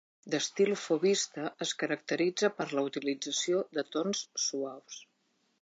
D'estil fauvista, es caracteritza per la utilització de tons suaus.